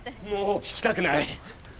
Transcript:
もう聞きたくない。